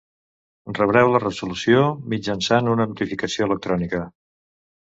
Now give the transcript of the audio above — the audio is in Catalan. Rebreu la resolució mitjançant una notificació electrònica.